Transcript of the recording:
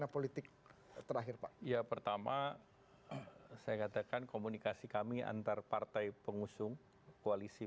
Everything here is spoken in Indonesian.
politik terakhir pak ya pertama saya katakan komunikasi kami antar partai pengusung koalisi